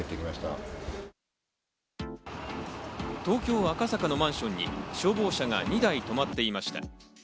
東京・赤坂のマンションに消防車が２台止まっていました。